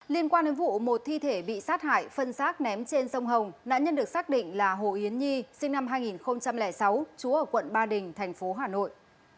liên quan đến vụ một thi thể bị sát hại phân xác ném trên sông hồng nạn nhân được xác định là hồ yến nhi sinh năm hai nghìn sáu chú ở quận ba đình thành phố hà nội